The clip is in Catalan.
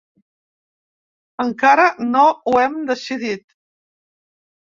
Encara no ho hem decidit.